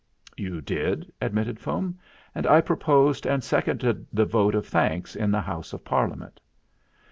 "You did," admitted Fum, "and I pro posed and seconded the vote of thanks in the House of Parliament."